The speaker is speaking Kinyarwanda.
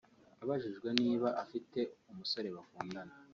Abajijwe niba afite umusore bakundana